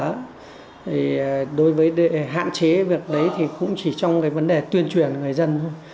thì đối với hạn chế việc đấy thì cũng chỉ trong cái vấn đề tuyên truyền người dân thôi